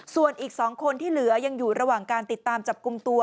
ส่วนอีก๒คนที่เหลือยังอยู่ระหว่างการติดตามจับกลุ่มตัว